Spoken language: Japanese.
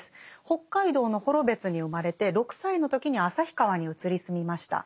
北海道の幌別に生まれて６歳の時に旭川に移り住みました。